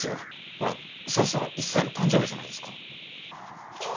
ほらそろそろ１歳の誕生日じゃないですか？